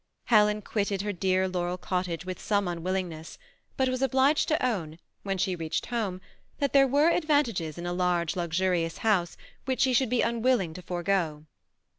Helen quitted her dear Laurel Cottage with some unwillingness, but was obliged to own, when she reached home, that there were advantages in a large luxurious house which she should be unwilling to forego.